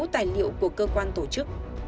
tài liệu của cơ quan tổ chức